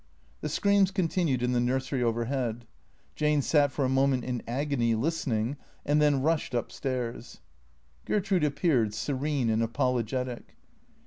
The screams continued in the nursery overhead. Jane sat for a moment in agony, listening, and then rushed up stairs. Gertrude appeared, serene and apologetic.